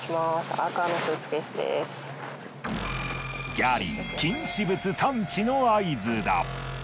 ギャリー禁止物探知の合図だ。